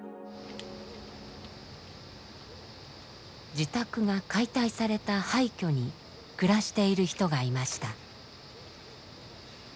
自宅が解体された廃虚に暮らしている人がいました。